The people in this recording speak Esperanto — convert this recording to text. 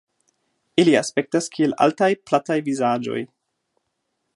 Ili aspektas kiel altaj plataj vizaĝoj.